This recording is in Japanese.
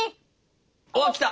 わっ来た！